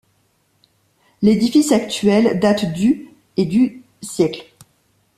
L'édifice actuel date du et du siècle.